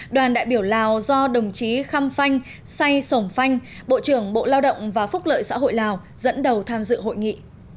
đoàn đại biểu lào do đồng chí khăm phanh say sổng phanh bộ trưởng bộ lao động và phúc lợi xã hội lào dẫn đầu tham dự hội nghị